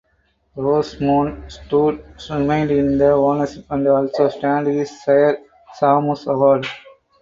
Rosemont Stud remained in the ownership and also stand his sire Shamus Award.